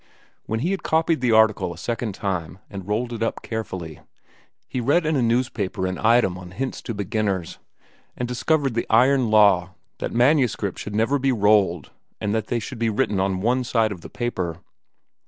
When he had copied the article a second time and rolled it up carefully, he read in a newspaper an item on hints to beginners, and discovered the iron law that manuscripts should never be rolled and that they should be written on one side of the paper.